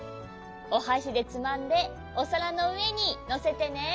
おはしでつまんでおさらのうえにのせてね。